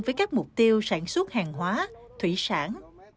với các mục tiêu sản xuất hàng hóa thủy sản